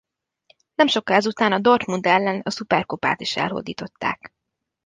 Nem sokkal ezután a Dortmund ellen a szuperkupát is elhódították.